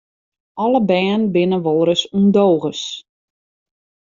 Alle bern binne wolris ûndogens.